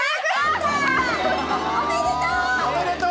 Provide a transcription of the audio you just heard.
おめでとう！